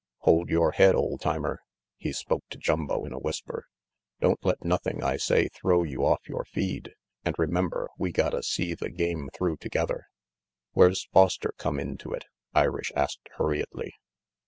"Hold yore head, ole timer," he spoke to Jumbo in a whisper. "Don't let nothing I say throw you off yore feed, and remember we gotta see the game through together." "Where's Foster come into it?" Irish asked hurriedly.